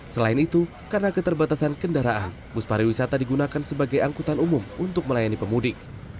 selain itu karena keterbatasan kendaraan bus pariwisata digunakan sebagai angkutan umum untuk melayani pemudik